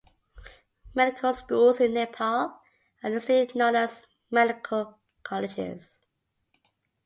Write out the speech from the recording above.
Medical schools in Nepal are usually known as medical colleges.